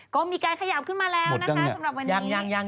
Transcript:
ก็มีการขยับขึ้นมาแล้วนะคะสำหรับวันนี้